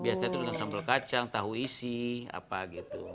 biasanya itu dengan sambal kacang tahu isi apa gitu